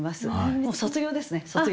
もう卒業ですね卒業。